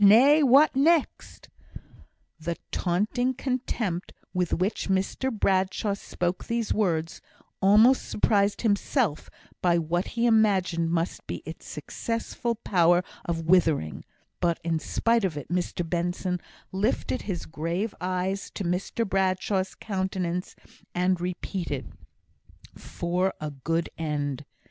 Nay! what next?" The taunting contempt with which Mr Bradshaw spoke these words almost surprised himself by what he imagined must be its successful power of withering; but in spite of it, Mr Benson lifted his grave eyes to Mr Bradshaw's countenance, and repeated: "For a good end.